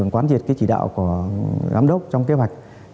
quán diệt chỉ đạo của giám đốc trong kế hoạch